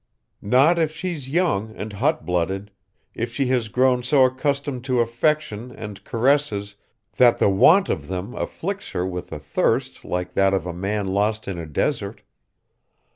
Not if she's young and hot blooded, if she has grown so accustomed to affection and caresses that the want of them afflicts her with a thirst like that of a man lost in a desert.